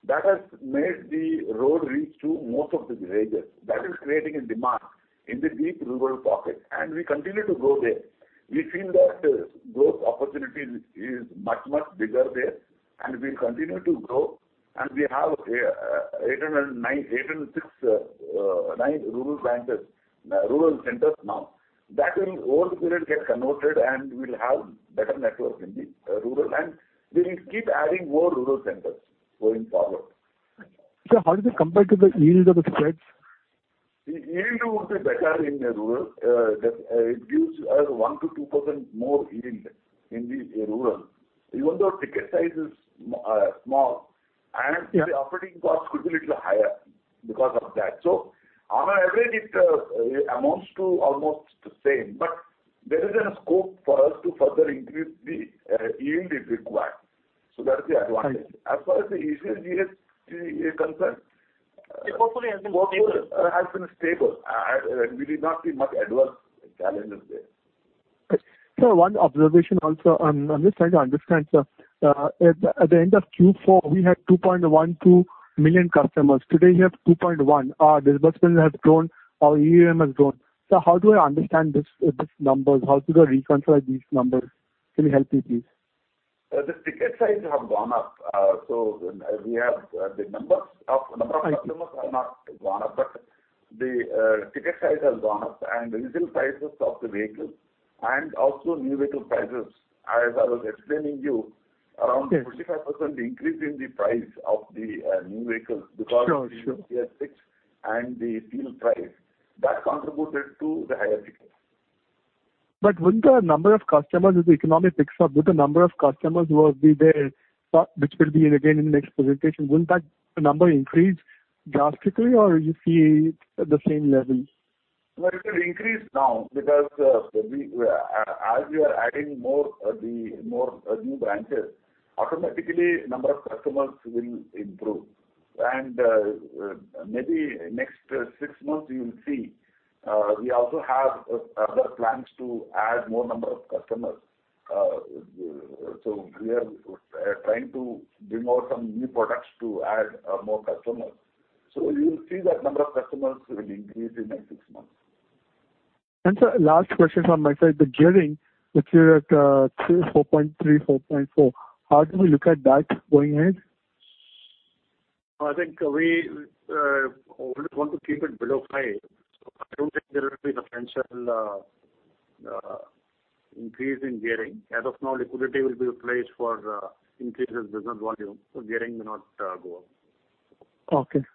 that has made the road reach to most of the villages. That is creating a demand in the deep rural pocket, and we continue to grow there. We feel that growth opportunity is much bigger there and we continue to grow. We have, nine rural branches, rural centers now. That will over the period get converted and we'll have better network in the rural and we will keep adding more rural centers going forward. Sir, how does it compare to the yield of the spreads? The yield would be better in rural. It gives us 1%-2% more yield in the rural, even though ticket size is small and the operating cost could be little higher because of that. On an average, it amounts to almost the same. There is a scope for us to further increase the yield if required. That's the advantage. Right. As far as the MSME is concerned. The portfolio has been stable. Portfolio has been stable. We did not see much adverse challenges there. Sir, one observation also. I'm just trying to understand, sir. At the end of Q4 we had 2.12 million customers. Today we have 2.1 million. Our disbursement has grown, our AUM has grown. Sir, how do I understand this, these numbers? How should I reconcile these numbers? Can you help me please? The ticket size have gone up. We have the numbers of- Right. Number of customers have not gone up, but the ticket size has gone up and recent prices of the vehicles and also new vehicle prices. As I was explaining you around- Yes. 45% increase in the price of the new vehicles because- Sure, sure. BS6 and the steel price, that contributed to the higher ticket. Wouldn't the number of customers as the economy picks up who are there, which will be again in the next presentation, wouldn't that number increase drastically or do you see the same level? No, it will increase now because as we are adding more new branches, automatically number of customers will improve. Maybe next six months you will see we also have other plans to add more number of customers. We are trying to bring out some new products to add more customers. You will see that number of customers will increase in next six months. Sir, last question from my side. The gearing, which you're at 3.4%, 3.4%, how do we look at that going ahead? I think we always want to keep it below five. I don't think there will be substantial increase in gearing. As of now, liquidity will be the place for increased business volume, so gearing may not go up. Okay.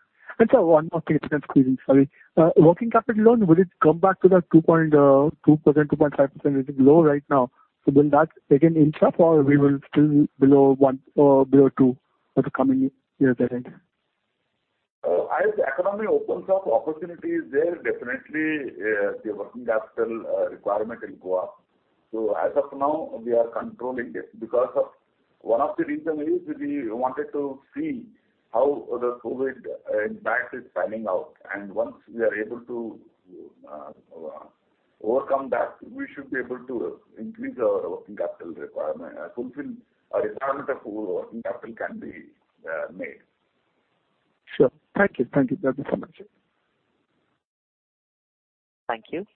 Sir, one more thing, just quickly, sorry. Working capital loan, will it come back to the 2.2%, 2.5%? It is low right now. Will that again inch up or we will still be below 1%, below 2% for the coming years ahead? As the economy opens up opportunities there, definitely, the working capital requirement will go up. As of now we are controlling it because of one of the reason is we wanted to see how the COVID impact is panning out. Once we are able to overcome that, we should be able to increase our working capital requirement, fulfill a requirement of working capital can be made. Sure. Thank you. Thank you. That is so much, sir. Thank you.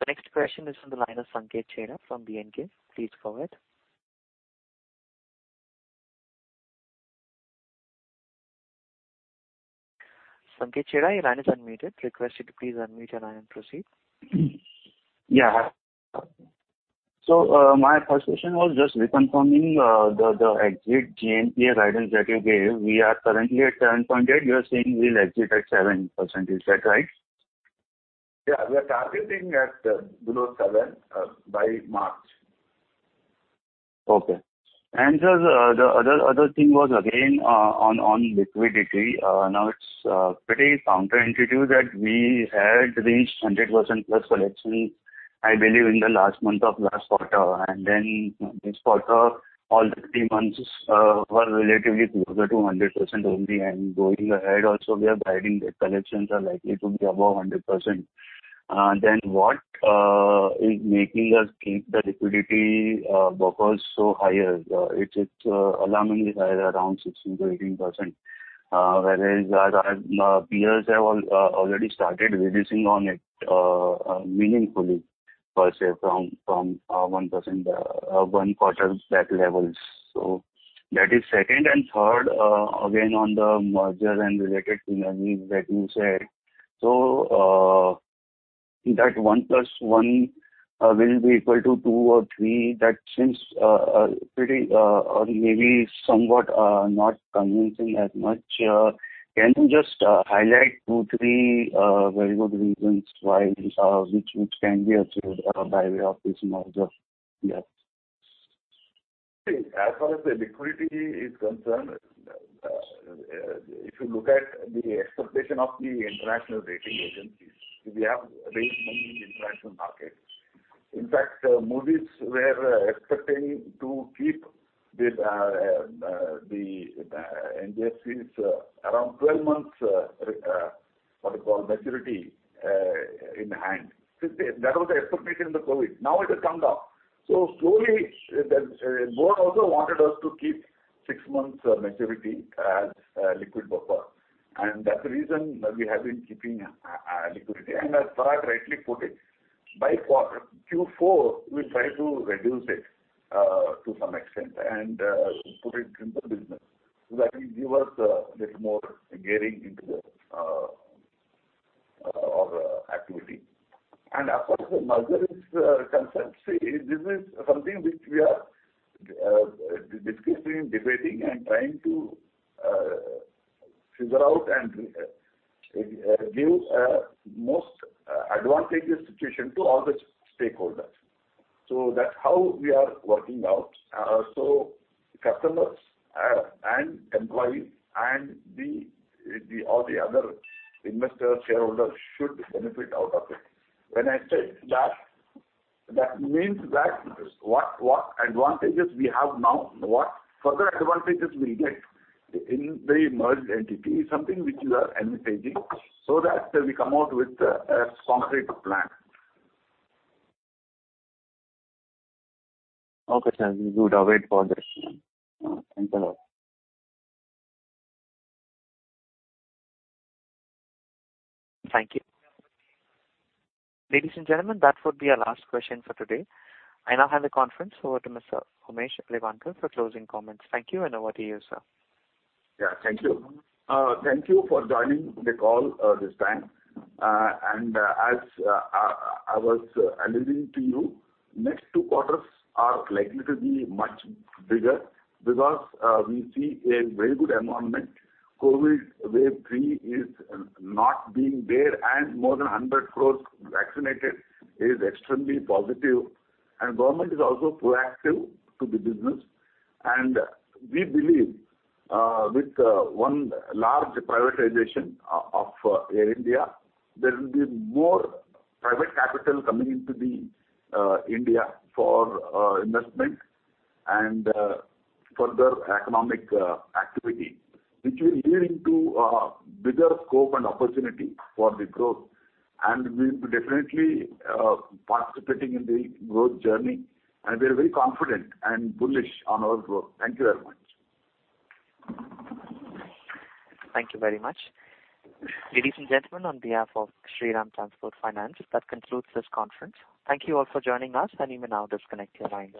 The next question is from the line of Sanket Chheda from B&K. Please go ahead. Sanket Chheda, your line is unmuted. Request you to please unmute your line and proceed. Yeah, hi. My first question was just reconfirming the exit GNPA guidance that you gave. We are currently at 10.8%. You are saying we'll exit at 7%. Is that right? Yeah. We are targeting at below 7% by March. Okay. Sir, the other thing was again on liquidity. Now it's pretty counterintuitive that we had reached 100% plus collections, I believe, in the last month of last quarter. Then this quarter, all three months were relatively closer to 100% only. Going ahead also we are guiding that collections are likely to be above 100%. Then what is making us keep the liquidity buffers so higher? It's alarmingly higher, around 16%-18%. Whereas our peers have already started reducing on it meaningfully, per se, from 10% one quarter back levels. That is second. Third, again, on the merger and related synergies that you said. That one plus one will be equal to two or three. That seems pretty or maybe somewhat not convincing as much. Can you just highlight two, three very good reasons why which can be achieved by way of this merger? Yeah. As far as the liquidity is concerned, if you look at the expectation of the international rating agencies, we have raised money in international markets. In fact, Moody's were expecting to keep the NBFCs around 12 months, what you call, maturity, in hand. That was the expectation in the COVID. Now it has come down. Slowly, the board also wanted us to keep six months of maturity as liquid buffer. That's the reason that we have been keeping liquidity. As Parag rightly put it, by quarter Q4 we'll try to reduce it to some extent and put it into business. That will give us a little more gearing into our activity. As far as the merger is concerned, see, this is something which we are discussing, debating and trying to figure out and give a most advantageous situation to all the stakeholders. That's how we are working out. Customers and employees and all the other investors, shareholders should benefit out of it. When I say that means that what advantages we have now, what further advantages we'll get in the merged entity is something which we are analyzing so that we come out with a concrete plan. Okay, sir. We would await for this. Thanks a lot. Thank you. Ladies and gentlemen, that would be our last question for today. I now hand the conference over to Mr. Umesh Revankar for closing comments. Thank you, and over to you, sir. Yeah, thank you. Thank you for joining the call this time. As I was alluding to you, next two quarters are likely to be much bigger because we see a very good environment. COVID wave three is not being there, and more than 100 crores vaccinated is extremely positive. Government is also proactive to the business. We believe with one large privatization of Air India, there will be more private capital coming into India for investment and further economic activity, which will lead into a bigger scope and opportunity for the growth. We'll be definitely participating in the growth journey, and we are very confident and bullish on our growth. Thank you very much. Thank you very much. Ladies and gentlemen, on behalf of Shriram Transport Finance, that concludes this conference. Thank you all for joining us, and you may now disconnect your lines.